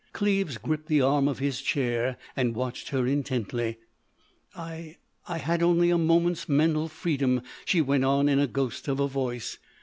Cleves gripped the arm of his chair and watched her intently. "I—I had only a moment's mental freedom," she went on in a ghost of a voice.